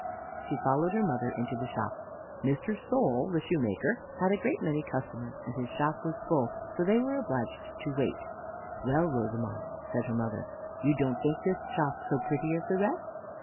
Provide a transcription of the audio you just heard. She followed her mother into the shop. Mr. Sole the shoemaker, had a great many customers, and his shop was full, so they were obliged to wait. "Well, Rosamond," said her mother, "you don't think this shop so pretty as the rest?"